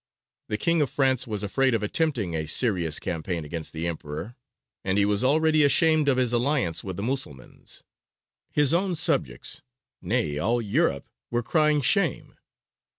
The King of France was afraid of attempting a serious campaign against the Emperor, and he was already ashamed of his alliance with the Musulmans: his own subjects nay, all Europe were crying shame.